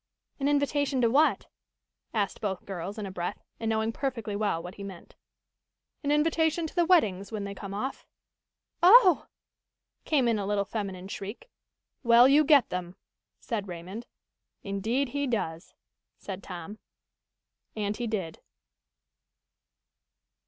"An invitation to what?" asked both girls, in a breath, and knowing perfectly well what he meant. "An invitation to the weddings, when they come off." "Oh!" came in a little feminine shriek. "Well, you get them," said Raymond. "Indeed, he does," said Tom. And he did.